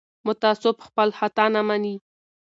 متعصب خپل خطا نه مني